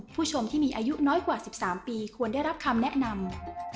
ผู้ชมที่มีอายุน้อยกว่า๑๓ปีควรได้รับคำแนะนำ